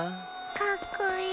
かっこいい！